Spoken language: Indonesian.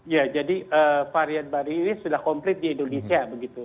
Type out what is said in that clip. ya jadi varian baru virus sudah komplit di indonesia